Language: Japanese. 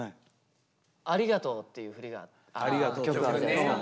「ありがとう」っていう曲あるじゃないですか。